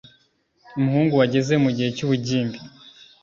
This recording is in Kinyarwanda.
umuhungu wageze mu gihe cy'ubugimbi